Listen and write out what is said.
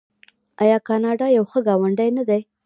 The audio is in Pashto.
آیا کاناډا یو ښه ګاونډی نه دی؟